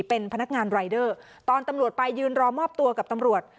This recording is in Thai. เป็นพนักงานรายเดอร์ตอนตำรวจไปยืนรอมอบตัวกับตำรวจ